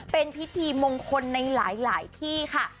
เป็นพิธีมงคลในหลายที่ค่ะ